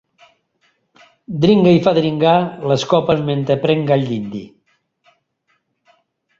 Dringa i fa dringar les copes mentre pren gall dindi.